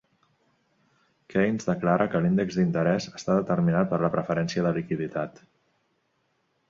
Keynes declara que l"índex d"interès està determinat per la preferència de liquiditat.